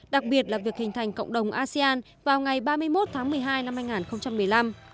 đặc biệt là việc hình thành cộng đồng asean vào ngày ba mươi một tháng một mươi hai năm hai nghìn một mươi năm